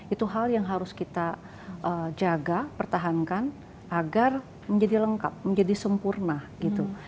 itu hal yang harus kita jaga pertahankan agar menjadi lengkap menjadi sempurna gitu